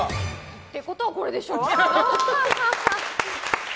ってことは、○でしょ。